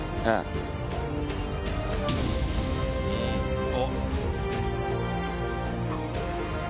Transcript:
ああ。